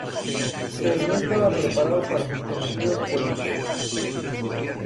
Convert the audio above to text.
Pero no estaba preparado para sus cometidos políticos.